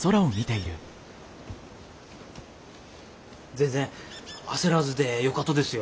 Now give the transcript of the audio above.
全然焦らずでよかとですよ。